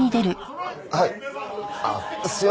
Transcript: はい。